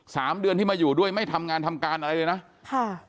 สามเดือนที่มาอยู่ด้วยไม่ทำงานทำการอะไรเลยนะค่ะ